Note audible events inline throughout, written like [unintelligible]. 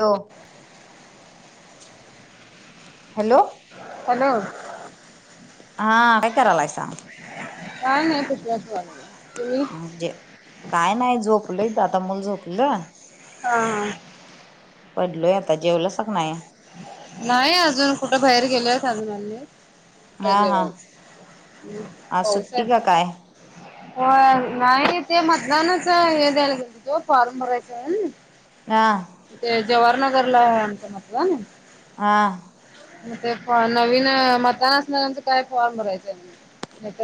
Hello. Hello. Hello. हा, काय करालायसा? काय नाही, ब म्हणजे, काय नाही, झोपलंय, आता मुल झोपलं. हा हा. पडलोय आता, जेवलासा का नाही? नाही अजून, कुठं बाहेर गेलेत, अजून आल नाहीत. हा अरे हा बापरे! आज सुट्टी पावसात का काय होय, नाही ते मतदानाचं हे द्यायला गेलतीत ओ, तो फॉर्म भरायचा हा ते जवाहरनगरला हाय, आमचं मतदान. हा. मग ते फ नवीन, मतदान असणाऱांच काय फॉर्म भरायचंय.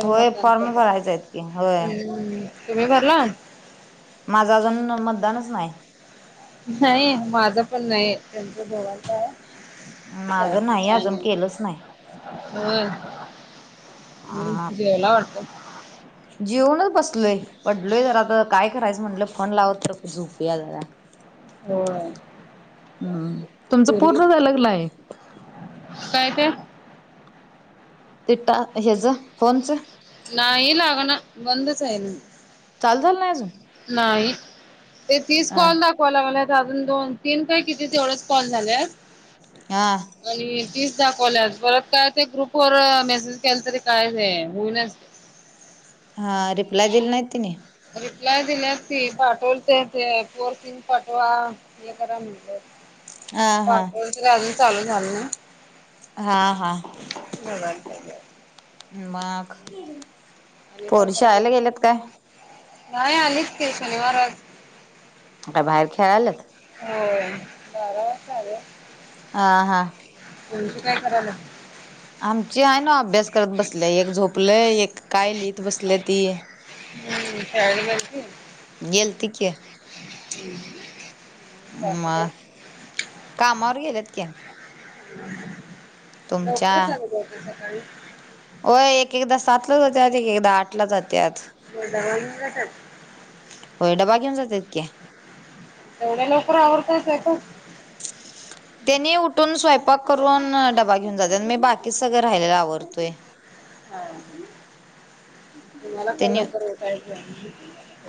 होय, फॉर्म भरायचं आहेत की, होय. हम्म तुम्ही भरला? माझं अजून मतदानचं नाही. नाही? माझं पण नाही, त्यांच दोघांच आहे. माझं नाही सासूचं अजून, आणि केलंच नाही. होय? जेवला वाटतं? जेवूनच बसलोय. पडलोय जरा, आता काय करायचं म्हटलं, फोन लावत तर झुपूया जरा. होय हम्, तुमचं पोरगी पूर्ण झाल [unintelligible] नाही? काय ते? ते टा, हेच फोनचं? नाही लागणा, बंदच आहे नव. चालू झालं नाही अजून? नाही, ते तीस हा कॉल दाख कॉल लावल्यात, अजून दोन तीन काय किती तेवढच कॉल झाल्यात. हा. आणि तीस दाखवल्यात, परत काय ते ग्रुपवरर मेसेज केला, तरी काय नाही, होईनाच ते. हां, रिप्लाय दिली नाहीत तिनी? रिप्लाय दिल्यात की, ती [unintelligible] ते पोरसिंग पाटवा. हे करा म्हणत्यात, हा हा पाठवलं तरी अजून चालू झालं नाही. हा हा बघायला हा, पाहिजे म आणि कायरालाय म, नाही आलीत की शनिवार आज काय बाहेर खेळल्यात? होय, बारा वाजता आल्यात. आ हा. तुमची काय कराल्यात? आमची आहे नव अभ्यास करत बसल्या, एक झोपलय, एक काय लिहित बसल्या ती. हम्म! [unintelligible] गेलती की. [unintelligible] [inaudible] सासूबाई म, कामावर गेल्यात की. तुमच्या लवकरच जात्यात वाढतं सकाळी? होय एक एकदा सातला जातात एकदा आठला जातात [unintelligible] होय डबा घेऊन जातात की येवढ्या लवकर आवरतोय स्वयंपाक त्येनी उठून स्वयंपाक करून डबा घेऊन जातात मी बाकी सगळे राहिलेल आवरतोय हा तुम्हाला काही त्यांनी लवकर उठायच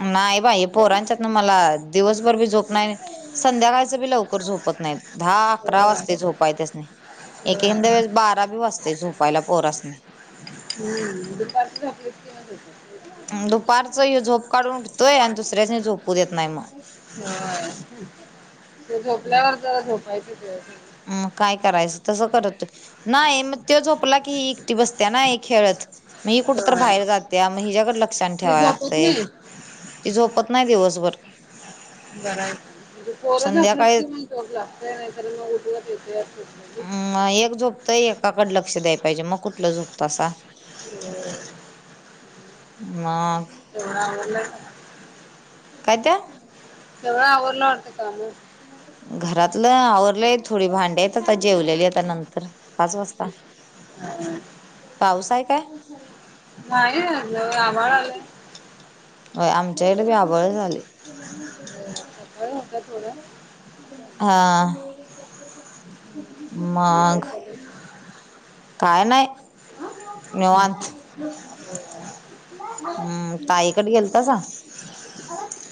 नाही बाई पोरांच्यातन मला दिवसभर बी झोप नाही संध्याकाळचं बी लवकर झोपत नाहीत दहा अकरा होय. वाजता झोपाय त्यासनी होय. एकंद वेळेस बारा बी वाजते झोपायला पोरासणी हम्म [inaudible] दुपारच ह्यो झोप काढून उठतोय आणि दुसऱ्यासनी झोपू देत नाही मग हो ते झोपल्यावर [inaudible] मग काय करायचं तसं करतोय नाही म तो झोपला की ही एकटी बसत्या ना हे खेळत म ही कुठ तर होय. बाहेर जात्या मग हिच्याकडे लक्ष आणि ती ठेवाय झोपत लागतय नाही ति झोपत नाही दिवसभर बराय पोर झोपलीत संध्याकाळी की मग लागतय नाही तरी मग उठवत येतात म एक झोपतं एकाकड लक्ष द्याय पाहिजे मग कुठलं झोपतासा ह मग... [inaudible] काय ते सगळं आवरलं वाढत काम घरातलं आवरलंय थोडी भांडी हाईत आता जेवलेली आता नंतर पाच वाजता पाऊस आहे काय नाहीआज आभाळ आलय होय आमच्याकडे बी आभाळच आलय सकाळी होता थोडं हा आणि मघ [unintelligible] काय नाही निवांत [unintelligible] हम्म ताई कटी गेल गेलतासा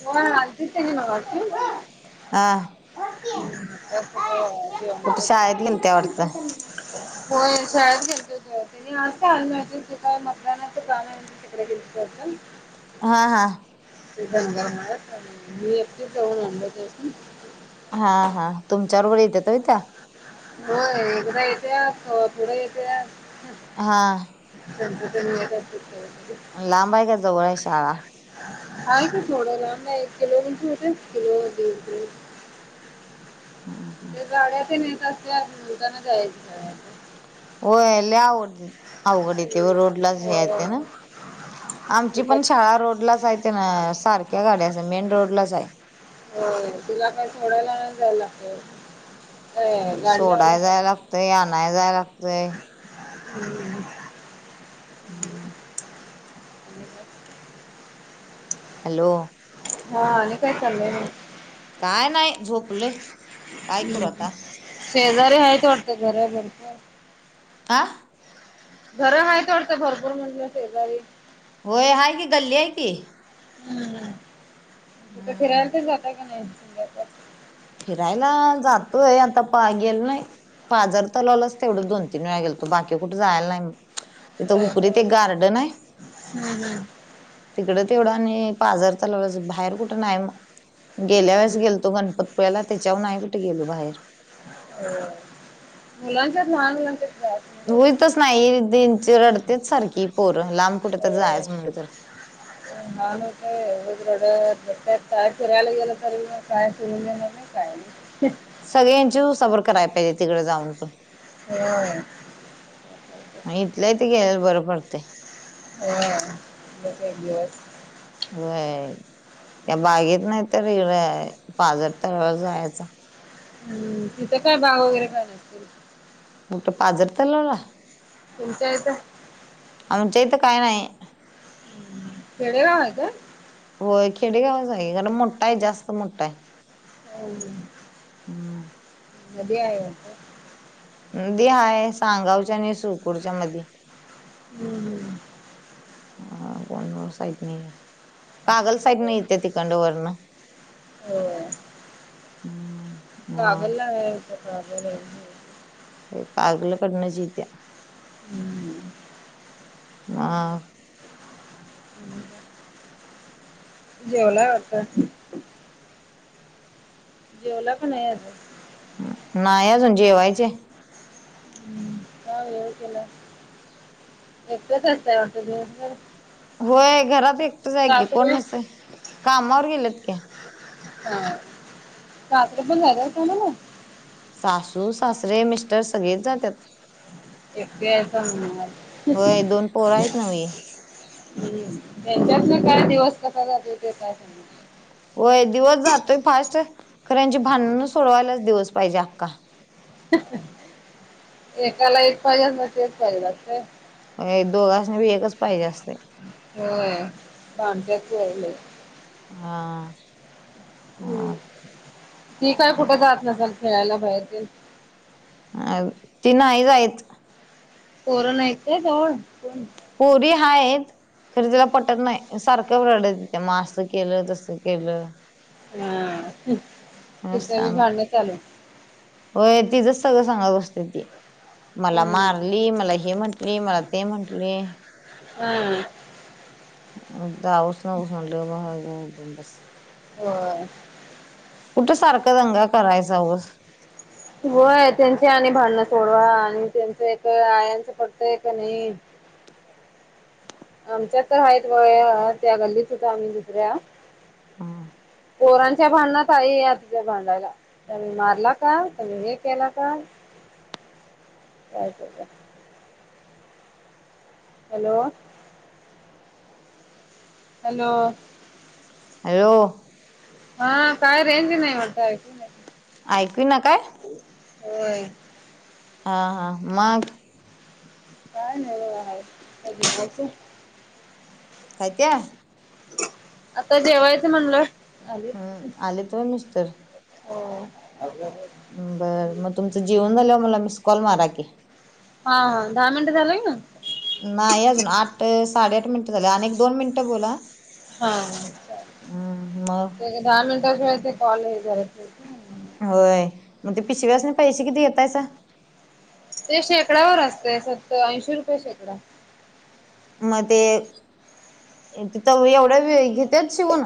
होय आलतीत त्यांनी मगाशी हा [inaudible] कुठे शाळेत गेलत्या वाटतं होय [inaudible] दि [unintelligible] हा हा [unintelligible] हा हा तुमच्या बरोबर येतात होय त्या होय एकदा येतात किंवा पुढे येतात हा [unintelligible] लांब आहे का जवळ आहे शाळा हाय की थोड लांब हाय एक किलो मीटर होतय किलो दिड किलो हा, ह ते गाड्या तेन नेत असत्यात दुकानात जायाचे. होय, लय अवघड, अवघड येतय वर सगळ्यांना. रोडलाच हो. न्यायचं ना? आमची पण तिकट. शाळा रोडलाच हाय, ते ना सारख्या गाड्या असत्यात मेन रोडलाच हाय. होय तुला काय सोडायला नाही जायला लागत. सोडाय जायाय लागतय, आनाय जायय लागतय. [unintelligible] हम. [unintelligible] हॅलो. हा, आणि काय चाललंय मग? काय नाही झोपलोय. हम्म, शेजारी हायेत वाटत घरात जवळ तर का? घर हायेत वाटत, भरपूर म्हणलं शेजारी. व्हय, हाय की गल्ली हाय की. हम्म, कुठं हम्म फिरायला तेन जाताय काय नाही? फिरायला जातोय, आता पा गेलो नाही. पाजर तलावलाच तेवढं दोन -तीन वेळा गेलतो बाकी कुठे जायला नाही मी. इथं हुपरीत एक गार्डन हाय तिकडं तेवढं आणि पाजर तलावच बाहेर कुठं नाही मग. गेल्या वेळेस गेलतो गणपतपुळ्याला त्येच्यावरून नाय कुठ गेलो बाहेर. मुलांच्यात लहान मुलांच फ्रॉक होईतच नाही दिंच, रडतेच सारखी पोरं लांब कुठतर जायच हो. म्हणलं तर. [unintelligible] [unintelligible] मग काय आणि? सगळी यांची उसाबर कराय पाहिजे तिकड जाऊन पण. होय. मग इथल्या इथ गेलेलं बरं पडतंय. होय. एकेक दिवस. होय, त्या बागेत नाही तर इरं पाजर तलावावर जायच. हम्म, तिथं काय बाग वगैरे काय नसतील. कुठं, पाझर तलाव ला? तुमच्या इथं? आमच्या इथं काय नायी. खेडेगाव हाय काय? होय, खेडेगावच हाय. खरं मोठ हाय, जास्त मोठ हाय. [unintelligible] हम्म. [unintelligible] नदी हाय. सांगावच्या आणि सुळकूटच्या मधी. हम्म हम्म हा कुण्णूर साईटनी. कागल साईडनं इतीया तिकडनं वरनं. होय. उम्म्म, मग. तसं आलेलं हाय. ते कागल कडनच यीत्या. हम्म. मग. जेवला वाटतं. जेवला का नाय अजून. हं नायी अजून जेवायचय हाय. का वेळ केला एकट्याच असताय वाटतं दिवसभर. होय घरात एकटच हाय की सासरे कोण नसतंय कामावर गेलेत की. हा सासरे पन जातात कामाला. सासू सासरे मिस्टर सगळेच जात्यात. एकट्या हायसा होय दोन पोर आहेत नव्हे [unintelligible] हम् त्यांच्यातन काय दिवस कसा जातो ते काय समजत नाही. होय दिवस जातोय फास्ट खरं यांची भांडणं सांगणार सोडवायलाच दिवस पाहिजे आक्का. एकाला एक पाहिजे असतय तेच पायजेल असतं. होय दोगास्नी बी एकच पाहिजे असतय. होय भांडत्यात दोघं लय. हा, हम्म ती काय कुठं जात नासल खेळायला बाहेर तेन. अ ती नाई जाईत. पोरं नाहीत का जवळ. पोरी हाईत. तर जरा पटत नै सारखं रडत तिथे मग असं केलं तसं केलं. हम [unintelligible] होय तिजच सगळं सांगत बसत्या ती. मला हम्म मारली मला हे म्हटली मला ते म्हटली. ह अ, [unintelligible] होय. कुटं सारखं दंगा करायचा उगाच. होय त्यांची आणि भांडणं सोडवा आणि त्यांचं एक आयांचं पटतय का नायी. आमच्या तर हायेत बघा या त्या गल्ली सुद्धा आम्ही दुसऱ्या. पोरांच्या भांडणात आई असते भांडायला. त्यानं मारला का, त्यानं त हे केला का [unintelligible] हॅलो, हॅलो, हॅलो, हा काय रेंजी नाही म्हटतय. ऐकू ये ना काय. होय. हा हा, मग. काय [inaudible] नाहीळ आहे का गीच काय ते. आता जेवायचं म्हणलं. आली हम्म आले होय मिस्टर. [inaudible] बर मग. तुमचं जेवून झालंवर मला मला मिस कॉल मारा की. हा हा. दहा मनिट झालं [unintelligible] नाही अजून. आठ साडेआठ मिनिटं झाले आणि एक दोन मिनिट बोला. हा. हम्म मग दहा मिनिटाशिवाय ते कॉल हे करत नाहीत ना. होय. मग ते पिशव्यासनि पैसे किती घेतायसा? ते शेकडावर असते. सत-ऐंशी रुपये शेकडा. मग ते तिथ एवढ्या [unintelligible] घेत्यात शिवून?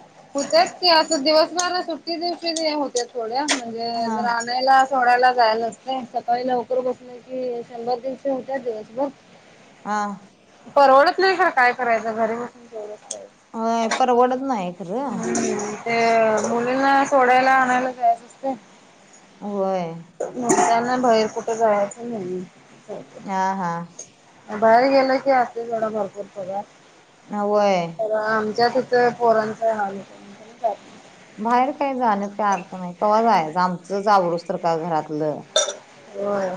[inaudible] होत्या की आता दिवसभरात सुट्टी दिवशी होत थोड्या म्हणजे हा जर आणायला सोडायला जायचं असते सकाळी लवकर बसल की शंभर दीडशे होत्यात दिवसभर. हा. परवडत नाही खर काय करायचं घरी बसून [inaudible] होय. परवडत नाही खरं. हम्म ते मुलींना सोडायला आणायला जायच असतंय. होय. म्हणताना बाहेर कुठे जायचं नाही. हा हा. बाहेर गेलं की असते सोडा भरपूर पगार. अ होय. आमच्यात इथं पोरांच हाल होतो. बाहेर काय जाण्यात काय अर्थ नाही कवा जाय आमचंच आवरुस्तरका घरातलं. होय.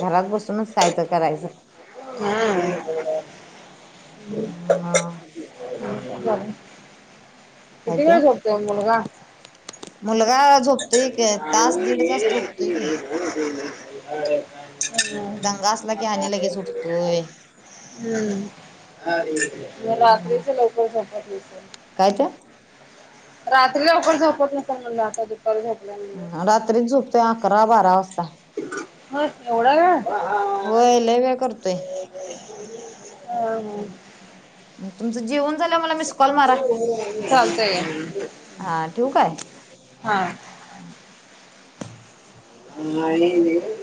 घरात बसूनच कायतर करायचं. हा. हम्म [inaudible] काय किती ते वेळ झोपतोय मुलगा? मुलगा झोपतोय एक तास दीड तास हम्म. झोपतोय की. [inaudible] दंगा असला की आणि लगेच उठतोय. हम्म. म हम्म रात्रीच लवकर झोपत नसेल. काय ते. रात्री लवकर झोपत असल म्हणून आता [unintelligible] रात्रीच झोपतोय अकरा बारा वाजता. [inaudible] होय एवढा वेळ. हा हा. होय लय वेळ करतोय तुमचं जेवन झालंवर मला मीस कॉल मारा. चालतंय हा ठेवू काय? हा. [unintelligible]